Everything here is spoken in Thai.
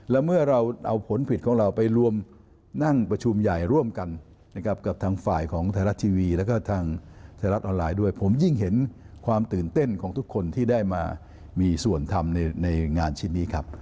และเมื่อเราเอาผลผิดของเราไปรวมนั่งประชุมใหญ่ร่วมกันนะครับกับทางฝ่ายของไทยรัฐทีวีแล้วก็ทางไทยรัฐออนไลน์ด้วยผมยิ่งเห็นความตื่นเต้นของทุกคนที่ได้มามีส่วนทำในงานชิ้นนี้ครับ